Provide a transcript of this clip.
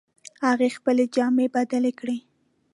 هغې خپلې جامې بدلې کړې